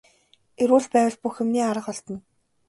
Эрүүл байвал бүх юмны арга олдоно.